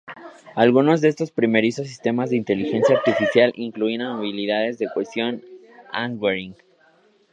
Algunos de estos primerizos sistemas de inteligencia artificial incluían habilidades de question-answering.